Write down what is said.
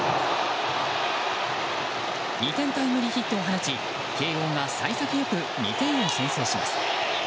２点タイムリーヒットを放ち慶應が幸先よく２点を先制します。